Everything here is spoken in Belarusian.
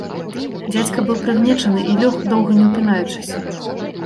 Дзядзька быў прыгнечаны і лёг, доўга не ўпінаючыся.